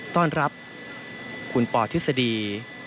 ต้อนรับคุณปอทฤษฎี